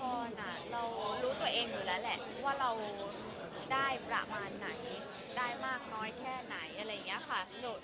เรารู้ตัวเองอยู่แล้วแหละว่าเราได้ประมาณไหนได้มากน้อยแค่ไหนอะไรอย่างนี้ค่ะ